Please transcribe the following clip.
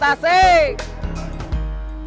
tasik tasik tasik